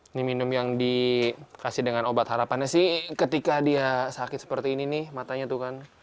ini minum yang dikasih dengan obat harapannya sih ketika dia sakit seperti ini nih matanya tuh kan